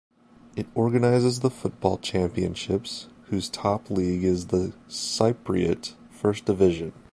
It organizes the football championships, whose top league is the Cypriot First Division.